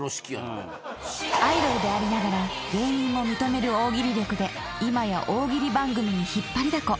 ［アイドルでありながら芸人も認める大喜利力で今や大喜利番組に引っ張りだこ］